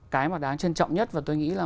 cái mà đáng trân trọng nhất và tôi nghĩ là